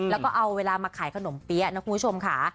แล้วก็เอาเวลามาขายขนมเปี๊ยะนะคุณผู้ชมค่ะ